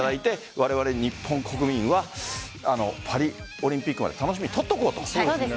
われわれ、日本国民はパリオリンピックまで楽しみにとっておこうと。